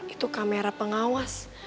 itu kamera pengawas